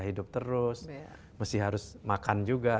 hidup terus mesti harus makan juga